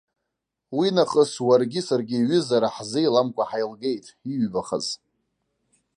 Уинахыс уаргьы саргьы ҩызара ҳзеиламкәа ҳаилгеит, иҩбахаз.